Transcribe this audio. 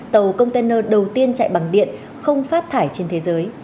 tàu container đầu tiên chạy bằng điện không phát thải trên thế giới